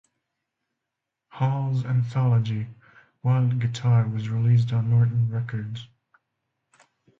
Hall's anthology, "Wild Guitar", was released on Norton Records.